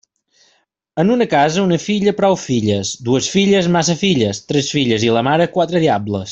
En una casa, una filla, prou filles; dues filles, massa filles; tres filles i la mare, quatre diables.